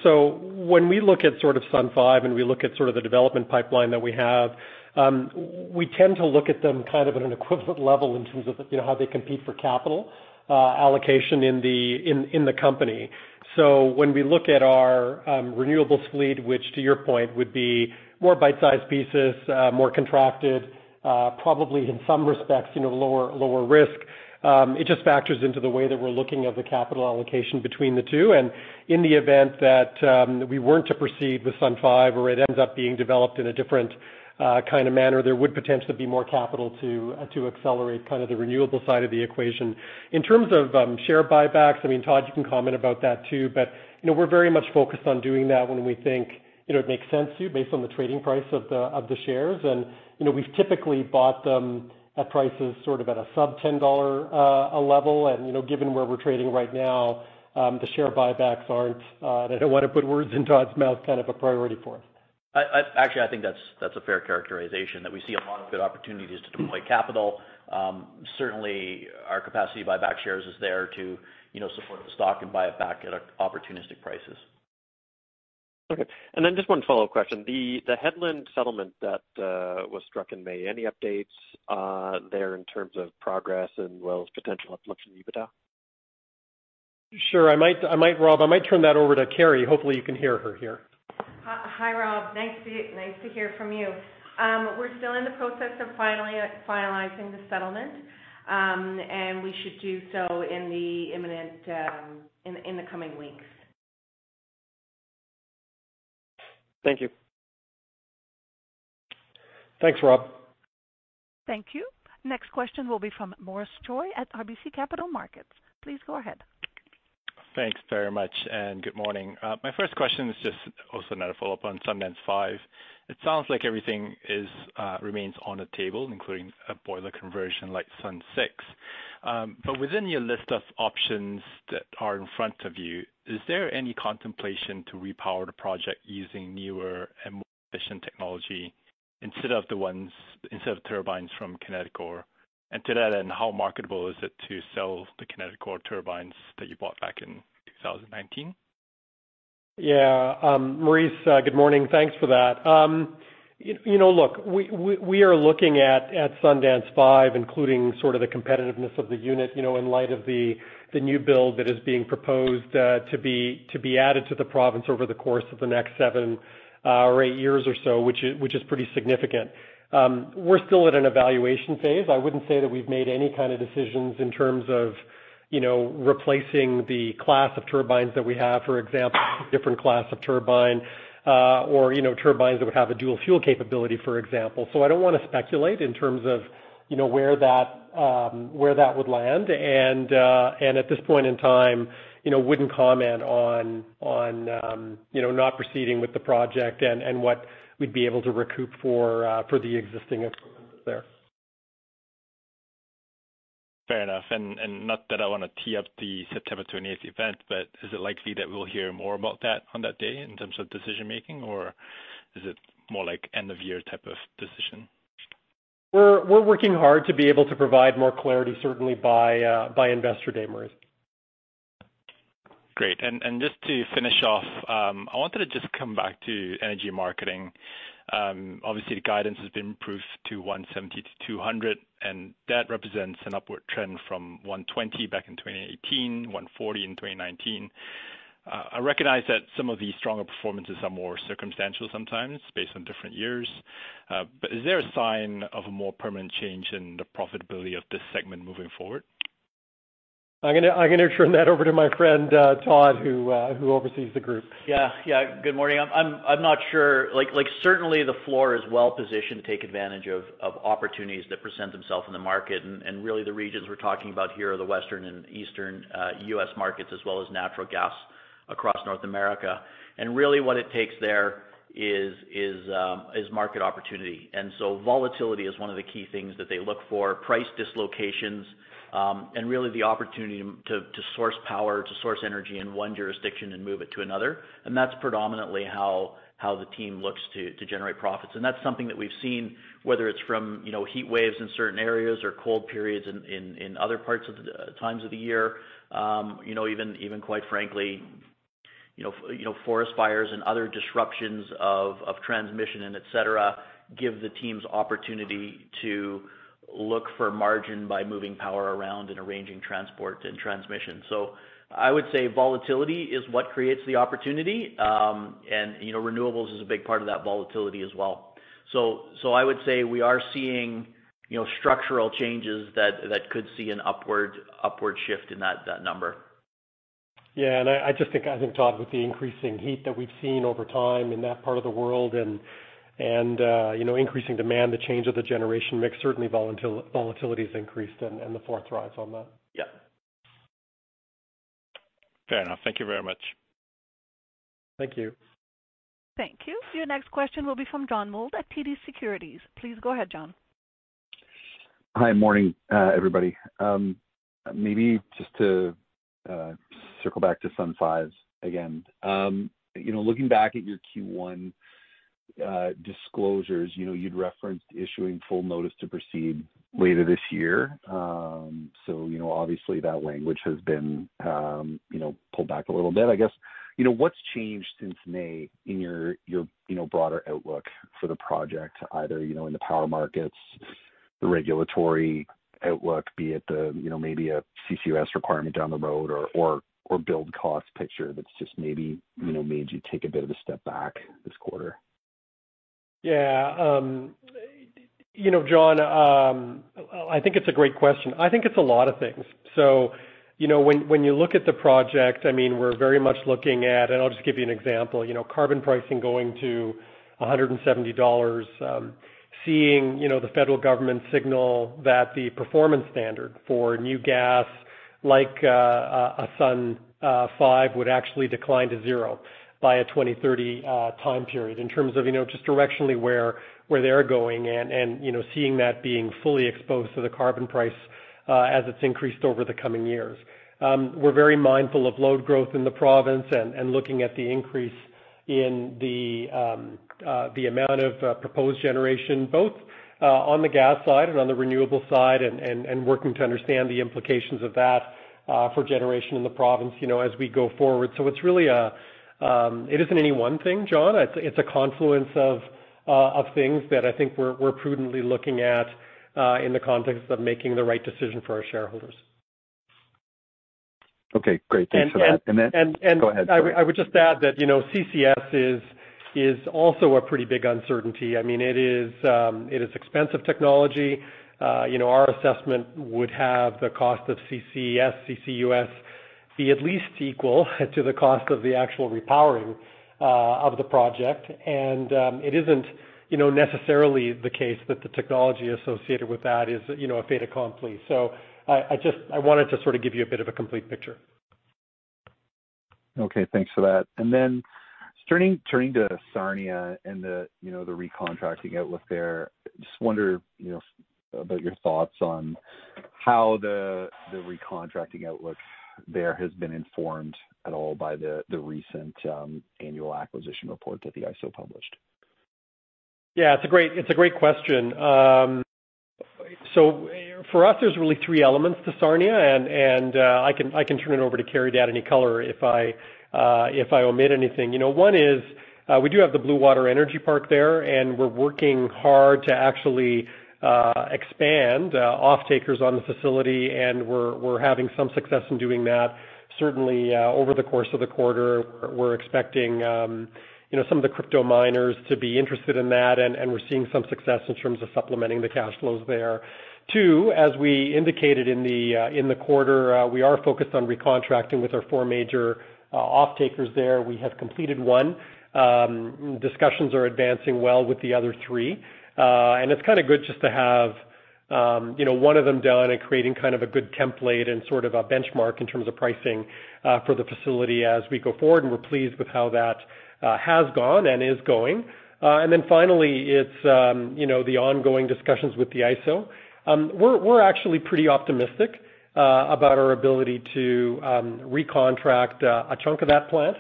When we look at Sundance 5, and we look at the development pipeline that we have, we tend to look at them at an equivalent level in terms of how they compete for capital allocation in the company. When we look at our renewables fleet, which to your point, would be more bite-sized pieces, more contracted, probably in some respects lower risk. It just factors into the way that we're looking at the capital allocation between the two. In the event that we weren't to proceed with Sundance 5, or it ends up being developed in a different kind of manner, there would potentially be more capital to accelerate the renewable side of the equation. In terms of share buybacks, Todd, you can comment about that too, but we're very much focused on doing that when we think it makes sense to, based on the trading price of the shares. We've typically bought them at prices sort of at a sub CAD 10 level. Given where we're trading right now, the share buybacks aren't, I don't want to put words in Todd's mouth, kind of a priority for us. Actually, I think that's a fair characterization, that we see a lot of good opportunities to deploy capital. Certainly, our capacity to buy back shares is there to support the stock and buy it back at opportunistic prices. Okay. Just one follow-up question. The Hedland settlement that was struck in May, any updates there in terms of progress as well as potential outlooks in EBITDA? Sure. Rob, I might turn that over to Kerry. Hopefully, you can hear her here. Hi, Rob. Nice to hear from you. We're still in the process of finalizing the settlement. We should do so in the coming weeks. Thank you. Thanks, Rob. Thank you. Next question will be from Maurice Choy at RBC Capital Markets. Please go ahead. Thanks very much, and good morning. My first question is just also another follow-up on Sundance 5. It sounds like everything remains on the table, including a boiler conversion like Sundance 6. Within your list of options that are in front of you, is there any contemplation to repower the project using newer and more efficient technology instead of turbines from Kineticor? To that end, how marketable is it to sell the Kineticor turbines that you bought back in 2019? Maurice, good morning. Thanks for that. We are looking at Sundance 5, including sort of the competitiveness of the unit, in light of the new build that is being proposed to be added to the province over the course of the next seven or eight years or so, which is pretty significant. We're still at an evaluation phase. I wouldn't say that we've made any kind of decisions in terms of replacing the class of turbines that we have, for example, with a different class of turbine, or turbines that would have a dual fuel capability, for example. I don't want to speculate in terms of where that would land, and at this point in time, wouldn't comment on not proceeding with the project and what we'd be able to recoup for the existing equipment there. Fair enough. Not that I want to tee up the September 28th event, but is it likely that we'll hear more about that on that day in terms of decision-making, or is it more like end of year type of decision? We're working hard to be able to provide more clarity, certainly by Investor Day, Maurice. Great. Just to finish off, I wanted to just come back to energy marketing. Obviously, the guidance has been improved to 170-200, that represents an upward trend from 120 back in 2018, 140 in 2019. I recognize that some of the stronger performances are more circumstantial sometimes based on different years. Is there a sign of a more permanent change in the profitability of this segment moving forward? I'm going to turn that over to my friend, Todd, who oversees the group. Yeah. Good morning. I'm not sure. Certainly, the floor is well-positioned to take advantage of opportunities that present themselves in the market. Really, the regions we're talking about here are the Western and Eastern U.S. markets, as well as natural gas across North America. Really what it takes there is market opportunity. Volatility is one of the key things that they look for, price dislocations, and really the opportunity to source power, to source energy in one jurisdiction and move it to another. That's predominantly how the team looks to generate profits. That's something that we've seen, whether it's from heat waves in certain areas or cold periods in other times of the year. Even, quite frankly, forest fires and other disruptions of transmission and et cetera, give the teams opportunity to look for margin by moving power around and arranging transport and transmission. I would say volatility is what creates the opportunity. Renewables is a big part of that volatility as well. I would say we are seeing structural changes that could see an upward shift in that number Yeah, I just think, Todd, with the increasing heat that we've seen over time in that part of the world and increasing demand, the change of the generation mix, certainly volatility has increased and the floor thrives on that. Fair enough. Thank you very much. Thank you. Thank you. Your next question will be from John Mould at TD Securities. Please go ahead, John. Hi. Morning, everybody. Maybe just to circle back to Sundance 5 again. Looking back at your Q1 disclosures, you'd referenced issuing full notice to proceed later this year. Obviously, that language has been pulled back a little bit, I guess. What's changed since May in your broader outlook for the project, either, in the power markets, the regulatory outlook, be it maybe a CCUS requirement down the road or build cost picture that's just maybe made you take a bit of a step back this quarter? Yeah. John, I think it's a great question. I think it's a lot of things. When you look at the project, we're very much looking at, and I'll just give you an example, carbon pricing going to 170 dollars. Seeing the federal government signal that the performance standard for new gas, like a Sundance 5, would actually decline to zero by a 2030 time period in terms of just directionally where they're going and seeing that being fully exposed to the carbon price as it's increased over the coming years. We're very mindful of load growth in the province and looking at the increase in the amount of proposed generation, both on the gas side and on the renewable side, and working to understand the implications of that for generation in the province as we go forward. It isn't any one thing, John. It's a confluence of things that I think we're prudently looking at in the context of making the right decision for our shareholders. Okay, great. Thanks for that. Go ahead, sorry. I would just add that CCS is also a pretty big uncertainty. It is expensive technology. Our assessment would have the cost of CCS, CCUS be at least equal to the cost of the actual repowering of the project. It isn't necessarily the case that the technology associated with that is a fait accompli. I wanted to sort of give you a bit of a complete picture. Okay, thanks for that. Turning to Sarnia and the recontracting outlook there, I just wonder about your thoughts on how the recontracting outlook there has been informed at all by the recent annual acquisition report that the IESO published. Yeah, it's a great question. For us, there's really three elements to Sarnia, and I can turn it over to Kerry to add any color if I omit anything. One is, we do have the Bluewater Energy Park there, and we're working hard to actually expand off-takers on the facility, and we're having some success in doing that. Certainly, over the course of the quarter, we're expecting some of the crypto miners to be interested in that, and we're seeing some success in terms of supplementing the cash flows there. Two, as we indicated in the quarter, we are focused on recontracting with our four major off-takers there. We have completed one. Discussions are advancing well with the other three. It's kind of good just to have one of them done and creating a good template and sort of a benchmark in terms of pricing for the facility as we go forward, and we're pleased with how that has gone and is going. Then finally, it's the ongoing discussions with the IESO. We're actually pretty optimistic about our ability to recontract a chunk of that plant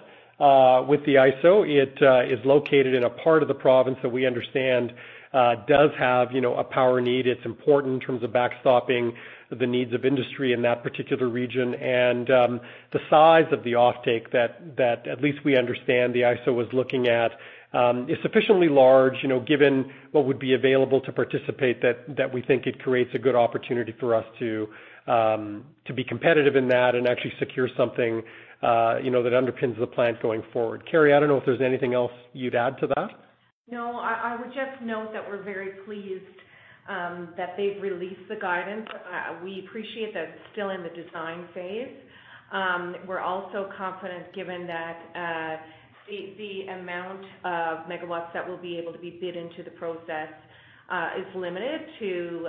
with the IESO. It is located in a part of the province that we understand does have a power need. It's important in terms of backstopping the needs of industry in that particular region. The size of the offtake that at least we understand the IESO was looking at is sufficiently large, given what would be available to participate, that we think it creates a good opportunity for us to be competitive in that and actually secure something that underpins the plant going forward. Kerry, I don't know if there's anything else you'd add to that. I would just note that we're very pleased that they've released the guidance. We appreciate that it's still in the design phase. We're also confident given that the amount of MW that will be able to be bid into the process is limited to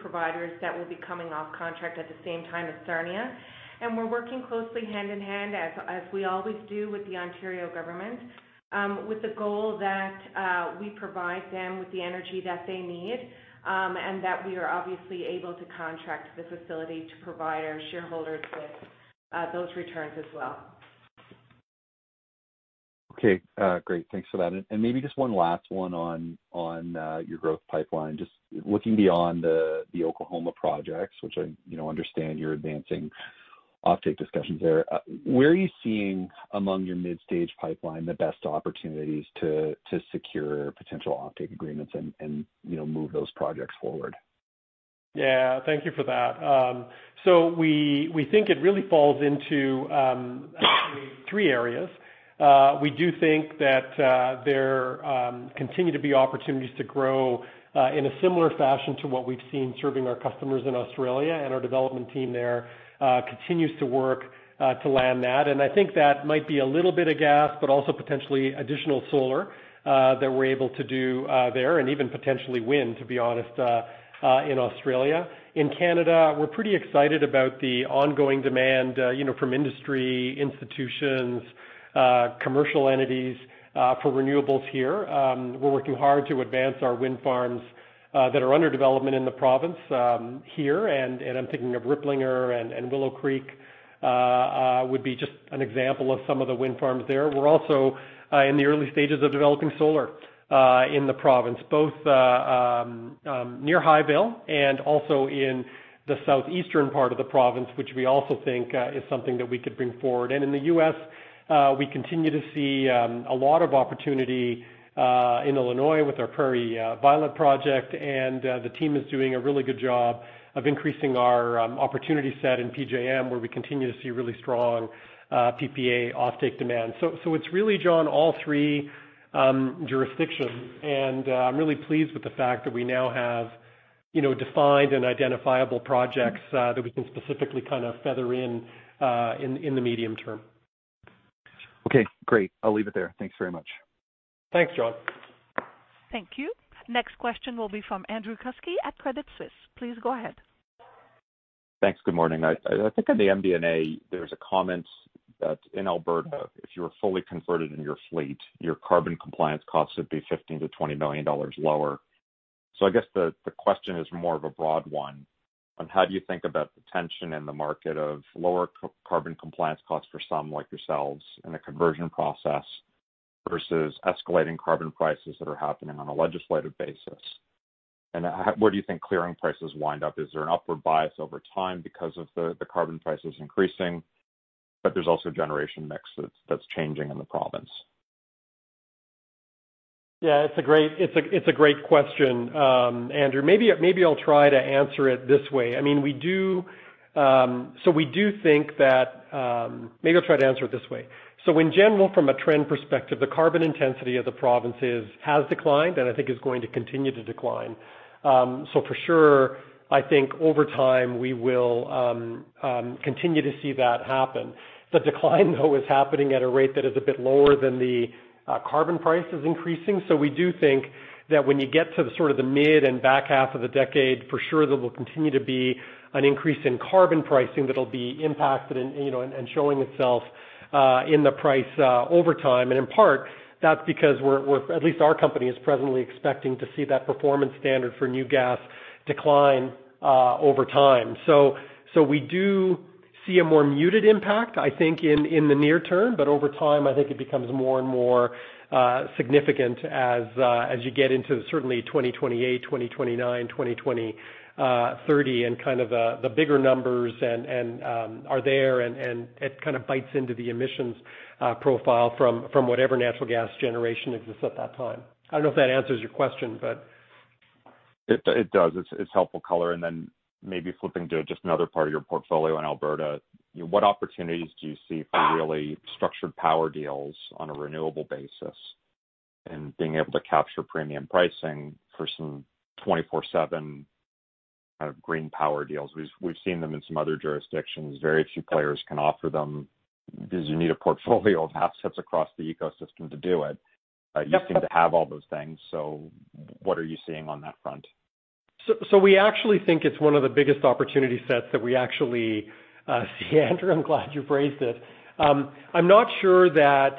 providers that will be coming off contract at the same time as Sarnia. We're working closely hand-in-hand as we always do with the Ontario government, with the goal that we provide them with the energy that they need, and that we are obviously able to contract the facility to provide our shareholders with those returns as well. Okay, great. Thanks for that. Maybe just one last one on your growth pipeline. Just looking beyond the Oklahoma projects, which I understand you're advancing offtake discussions there, where are you seeing among your mid-stage pipeline, the best opportunities to secure potential offtake agreements and move those projects forward? Thank you for that. We think it really falls into actually three areas. We do think that there continue to be opportunities to grow in a similar fashion to what we've seen serving our customers in Australia, and our development team there continues to work to land that. I think that might be a little bit of gas, but also potentially additional solar that we're able to do there and even potentially wind, to be honest, in Australia. In Canada, we're pretty excited about the ongoing demand from industry, institutions, commercial entities, for renewables here. We're working hard to advance our wind farms that are under development in the province here. I'm thinking of Riplinger and Willow Creek would be just an example of some of the wind farms there. We're also in the early stages of developing solar in the province, both near Highvale and also in the southeastern part of the province, which we also think is something that we could bring forward. In the U.S., we continue to see a lot of opportunity in Illinois with our Prairie Violet project, and the team is doing a really good job of increasing our opportunity set in PJM, where we continue to see really strong PPA offtake demand. It's really, John, all three jurisdictions. I'm really pleased with the fact that we now have defined and identifiable projects that we can specifically kind of feather in the medium term. Okay, great. I'll leave it there. Thanks very much. Thanks, John. Thank you. Next question will be from Andrew Kuske at Credit Suisse. Please go ahead. Thanks. Good morning. I think in the MD&A, there's a comment that in Alberta, if you were fully converted in your fleet, your carbon compliance costs would be 15 million-20 million dollars lower. I guess the question is more of a broad one on how do you think about the tension in the market of lower carbon compliance costs for some like yourselves in a conversion process versus escalating carbon prices that are happening on a legislative basis. Where do you think clearing prices wind up? Is there an upward bias over time because of the carbon prices increasing, but there's also a generation mix that's changing in the province? Yeah, it's a great question, Andrew. Maybe I'll try to answer it this way. In general, from a trend perspective, the carbon intensity of the provinces has declined, and I think is going to continue to decline. For sure, I think over time, we will continue to see that happen. The decline, though, is happening at a rate that is a bit lower than the carbon price is increasing. We do think that when you get to the mid and back half of the decade, for sure there will continue to be an increase in carbon pricing that'll be impacted and showing itself in the price over time. In part, that's because at least our company is presently expecting to see that performance standard for new gas decline over time. We do see a more muted impact, I think, in the near term. Over time, I think it becomes more and more significant as you get into certainly 2028, 2029, 2030 and the bigger numbers are there, and it kind of bites into the emissions profile from whatever natural gas generation exists at that time. I don't know if that answers your question. It does. It's helpful color. Maybe flipping to just another part of your portfolio in Alberta, what opportunities do you see for really structured power deals on a renewable basis and being able to capture premium pricing for some 24/7 kind of green power deals? We've seen them in some other jurisdictions. Very few players can offer them because you need a portfolio of assets across the ecosystem to do it. Yep. You seem to have all those things. What are you seeing on that front? We actually think it's one of the biggest opportunity sets that we actually see, Andrew. I'm glad you phrased it. I'm not sure that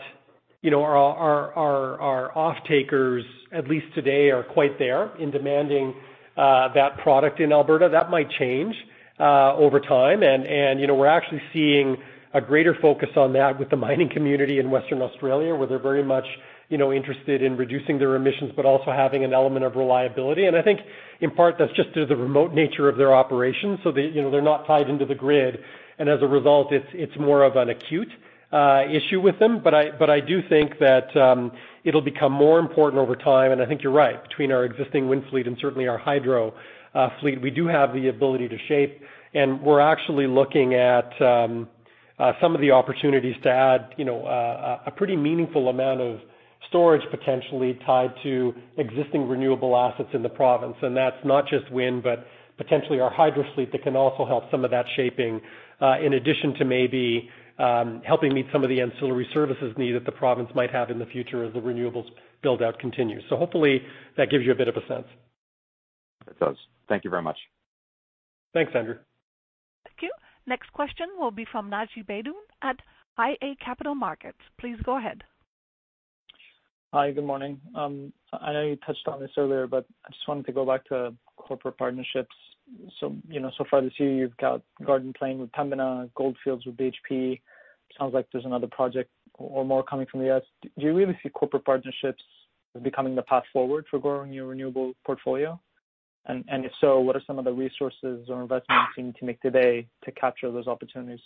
our off-takers, at least today, are quite there in demanding that product in Alberta. That might change over time. We're actually seeing a greater focus on that with the mining community in Western Australia, where they're very much interested in reducing their emissions, but also having an element of reliability. I think in part, that's just due to the remote nature of their operations, so they're not tied into the grid, and as a result, it's more of an acute issue with them. I do think that it'll become more important over time, and I think you're right, between our existing wind fleet and certainly our hydro fleet, we do have the ability to shape. We're actually looking at some of the opportunities to add a pretty meaningful amount of storage, potentially tied to existing renewable assets in the province. That's not just wind, but potentially our hydro fleet that can also help some of that shaping, in addition to maybe helping meet some of the ancillary services need that the province might have in the future as the renewables build-out continues. Hopefully, that gives you a bit of a sense. It does. Thank you very much. Thanks, Andrew. Thank you. Next question will be from Naji Baydoun at iA Capital Markets. Please go ahead. Hi. Good morning. I know you touched on this earlier. I just wanted to go back to corporate partnerships. Far this year, you've got Garden Plain with Pembina, Goldfields with BHP. Sounds like there's another project or more coming from the States. Do you really see corporate partnerships becoming the path forward for growing your renewable portfolio? If so, what are some of the resources or investments you need to make today to capture those opportunities?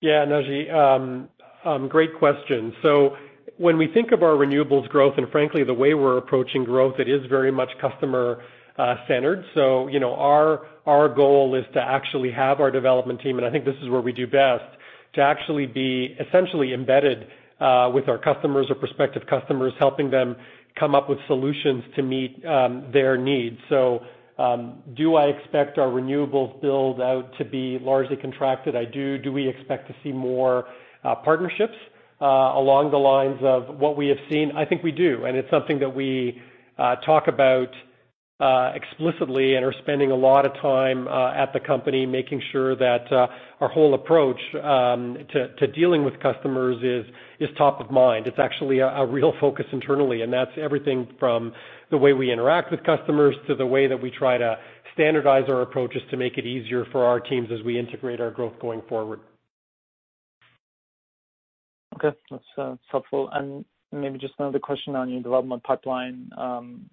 Yeah, Naji, great question. When we think of our renewables growth, and frankly, the way we are approaching growth, it is very much customer-centered. Our goal is to actually have our development team, and I think this is where we do best, to actually be essentially embedded with our customers or prospective customers, helping them come up with solutions to meet their needs. Do I expect our renewables build-out to be largely contracted? I do. Do we expect to see more partnerships along the lines of what we have seen? I think we do, and it is something that we talk about explicitly and are spending a lot of time at the company making sure that our whole approach to dealing with customers is top of mind. It's actually a real focus internally, and that's everything from the way we interact with customers to the way that we try to standardize our approaches to make it easier for our teams as we integrate our growth going forward. Okay. That's helpful. Maybe just another question on your development pipeline. It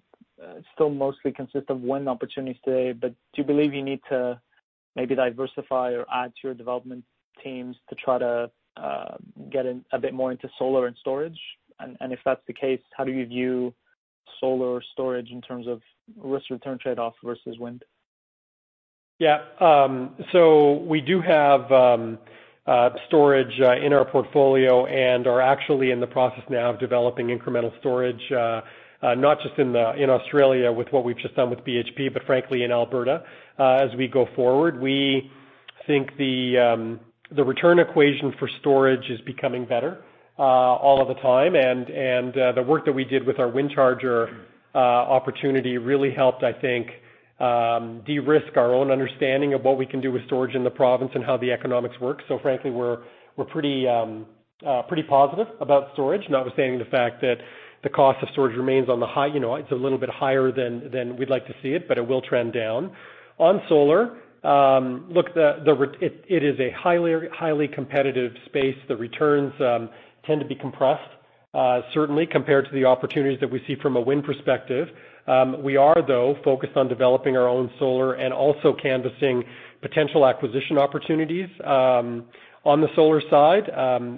still mostly consists of wind opportunities today, but do you believe you need to maybe diversify or add to your development teams to try to get in a bit more into solar and storage? If that's the case, how do you view solar storage in terms of risk return trade-off versus wind? Yeah. We do have storage in our portfolio and are actually in the process now of developing incremental storage, not just in Australia with what we've just done with BHP, but frankly, in Alberta. As we go forward, we think the return equation for storage is becoming better all of the time, and the work that we did with our Windcharger opportunity really helped, I think, de-risk our own understanding of what we can do with storage in the province and how the economics work. Frankly, we're pretty positive about storage, notwithstanding the fact that the cost of storage remains on the high. It's a little bit higher than we'd like to see it, but it will trend down. On solar, it is a highly competitive space. The returns tend to be compressed. Certainly compared to the opportunities that we see from a wind perspective. We are, though, focused on developing our own solar and also canvassing potential acquisition opportunities on the solar side.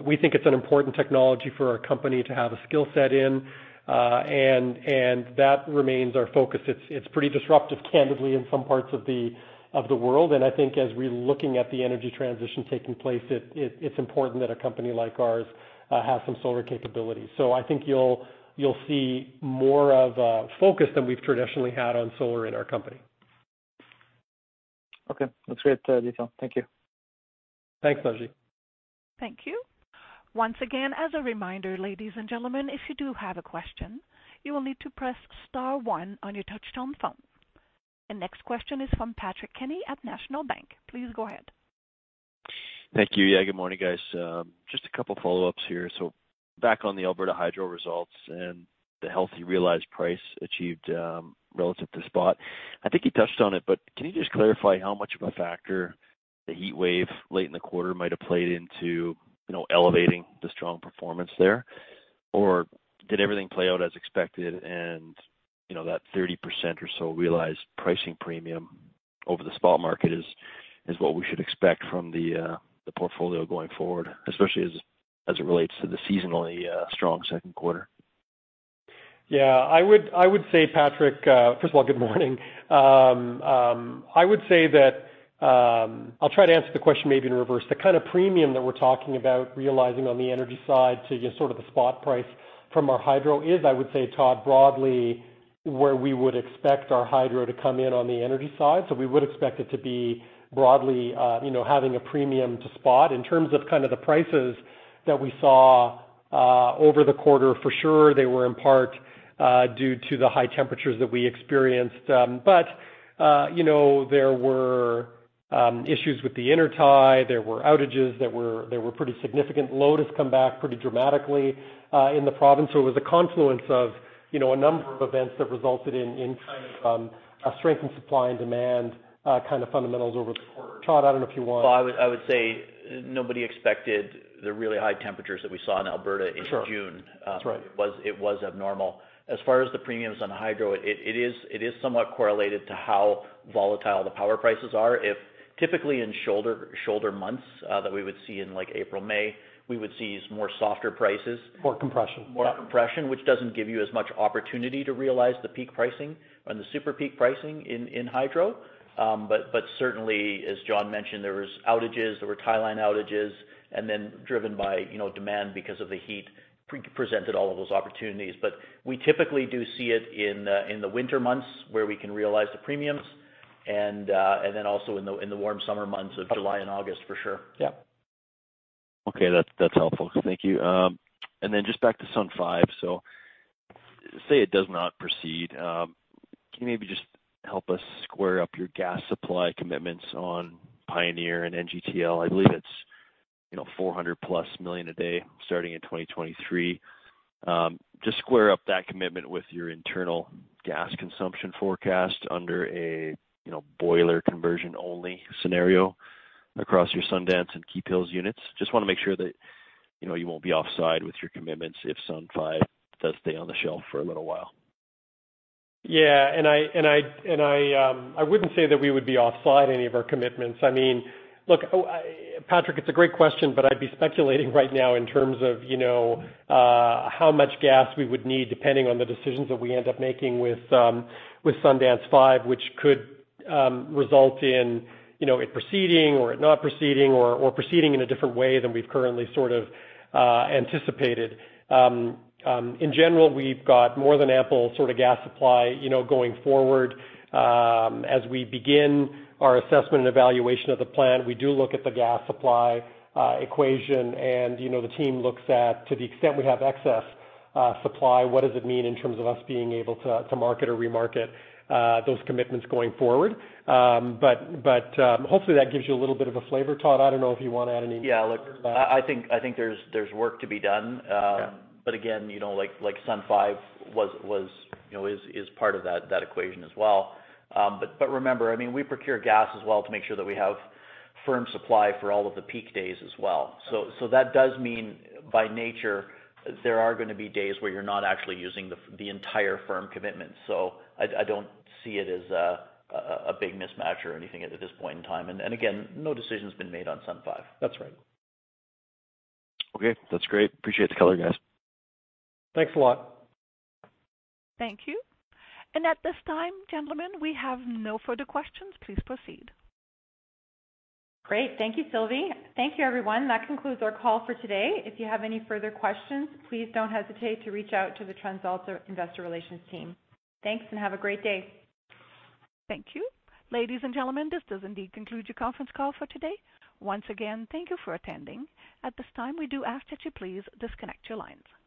We think it's an important technology for our company to have a skill set in. That remains our focus. It's pretty disruptive, candidly, in some parts of the world. I think as we're looking at the energy transition taking place, it's important that a company like ours has some solar capability. I think you'll see more of a focus than we've traditionally had on solar in our company. Okay. That's great detail. Thank you. Thanks, Naji. Thank you. Once again, as a reminder, ladies and gentlemen, if you do have a question, you will need to press *1 on your touch-tone phone. The next question is from Patrick Kenny at National Bank. Please go ahead. Thank you. Yeah, good morning, guys. Just a couple of follow-ups here. Back on the Alberta Hydro results and the healthy realized price achieved, relative to spot. I think you touched on it, but can you just clarify how much of a factor the heat wave late in the quarter might have played into elevating the strong performance there? Did everything play out as expected and that 30% or so realized pricing premium over the spot market is what we should expect from the portfolio going forward, especially as it relates to the seasonally strong Q2? First of all, good morning. I'll try to answer the question maybe in reverse. The kind of premium that we're talking about realizing on the energy side to just sort of the spot price from our hydro is, I would say, Todd, broadly where we would expect our hydro to come in on the energy side. We would expect it to be broadly having a premium to spot. In terms of the prices that we saw over the quarter, for sure, they were in part due to the high temperatures that we experienced. There were issues with the intertie. There were outages that were pretty significant. Load has come back pretty dramatically in the province. It was a confluence of a number of events that resulted in kind of a strength in supply and demand kind of fundamentals over the quarter. Todd, I don't know if you want. Well, I would say nobody expected the really high temperatures that we saw in Alberta in June. That's right. It was abnormal. As far as the premiums on hydro, it is somewhat correlated to how volatile the power prices are. Typically, in shoulder months that we would see in April, May, we would see more softer prices. More compression. More compression, which doesn't give you as much opportunity to realize the peak pricing and the super peak pricing in hydro. Certainly, as John mentioned, there was outages, there were tie line outages, and then driven by demand because of the heat, presented all of those opportunities. We typically do see it in the winter months where we can realize the premiums and then also in the warm summer months of July and August, for sure. Yeah. Okay. That's helpful. Thank you. Then just back to Sundance 5. Say it does not proceed. Can you maybe just help us square up your gas supply commitments on Pioneer and NGTL? I believe it's 400+ million a day starting in 2023. Square up that commitment with your internal gas consumption forecast under a boiler conversion-only scenario across your Sundance and Keephills units. Want to make sure that you won't be offside with your commitments if Sundance 5 does stay on the shelf for a little while. I wouldn't say that we would be offside any of our commitments. Look, Patrick, it's a great question, but I'd be speculating right now in terms of how much gas we would need, depending on the decisions that we end up making with Sundance 5, which could result in it proceeding or it not proceeding or proceeding in a different way than we've currently sort of anticipated. In general, we've got more than ample sort of gas supply going forward. As we begin our assessment and evaluation of the plan, we do look at the gas supply equation, and the team looks at, to the extent we have excess supply, what does it mean in terms of us being able to market or remarket those commitments going forward. Hopefully that gives you a little bit of a flavor, Todd. I don't know if you want to add anything. Yeah. Look, I think there's work to be done. Again, Sundance 5 is part of that equation as well. Remember, we procure gas as well to make sure that we have firm supply for all of the peak days as well. That does mean, by nature, there are going to be days where you're not actually using the entire firm commitment. I don't see it as a big mismatch or anything at this point in time. Again, no decision's been made on Sundance 5. That's right. Okay. That's great. Appreciate the color, guys. Thanks a lot. Thank you. At this time, gentlemen, we have no further questions. Please proceed. Great. Thank you, Sylvie. Thank you, everyone. That concludes our call for today. If you have any further questions, please don't hesitate to reach out to the TransAlta Investor Relations team. Thanks, and have a great day. Thank you. Ladies and gentlemen, this does indeed conclude your conference call for today. Once again, thank you for attending. At this time, we do ask that you please disconnect your lines.